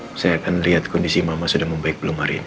hai saya akan lihat kondisi mama sudah membaik belum hari ini